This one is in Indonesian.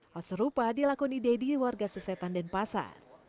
hal serupa dilakoni dedy warga sesetan dan pasar